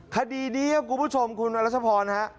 คดีนี้ครับคุณผู้ชมมราชภรอ่า